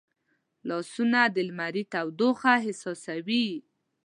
لاسونه د لمري تودوخه احساسوي